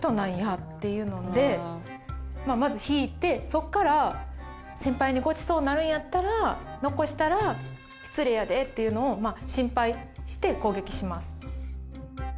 そこから先輩にごちそうになるんやったら残したら失礼やでっていうのをまあ心配して攻撃します。